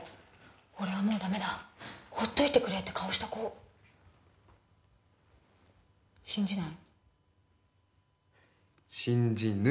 「俺はもうダメだ放っといてくれ」って顔した子信じない？